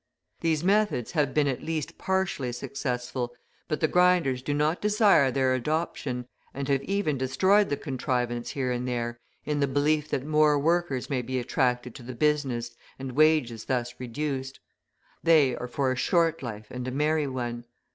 These methods have been at least partially successful, but the grinders do not desire their adoption, and have even destroyed the contrivance here and there, in the belief that more workers may be attracted to the business and wages thus reduced; they are for a short life and a merry one.